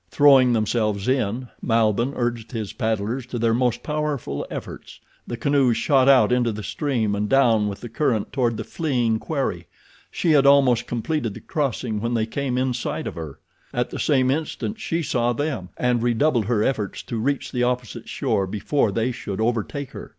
Throwing themselves in, Malbihn urged his paddlers to their most powerful efforts. The canoes shot out into the stream and down with the current toward the fleeing quarry. She had almost completed the crossing when they came in sight of her. At the same instant she saw them, and redoubled her efforts to reach the opposite shore before they should overtake her.